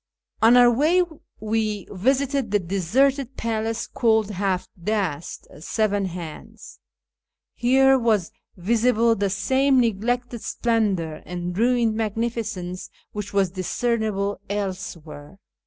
On our way we visited the deserted palace called Haft dast (" Seven Hands "). Here was visible the same neglected splendour and ruined magnificence which was discernible elsewhere.